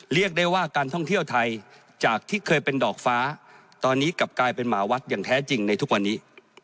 เรียกได้ว่าการท่องเที่ยวไทยจากที่เคยเป็นดอกฟ้าตอนนี้กลับกลายเป็นหมาวัดอย่างแท้จริงในทุกวันนี้